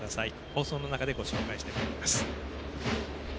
放送の中でご紹介します。